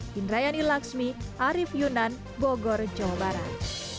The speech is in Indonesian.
hindrayani laksmi arief yunan bogor jawa barat